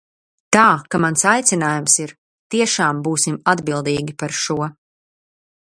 Tā ka mans aicinājums ir: tiešām būsim atbildīgi par šo!